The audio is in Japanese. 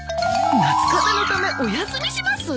夏風邪のためお休みします！？